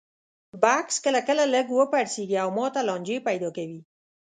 بکس کله کله لږ وپړسېږي او ماته لانجې پیدا کوي.